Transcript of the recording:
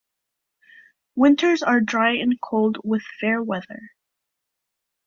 Winters are dry and cold with fair weather.